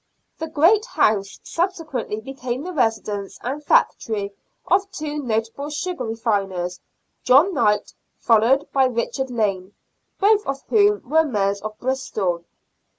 The Great House subsequently became the residence and factory of two notable sugar refiners — John Knight, followed by Richard ASSESSMENT OF THE CITIZENS. 121 Lane, both of whom were Mayors of Bristol.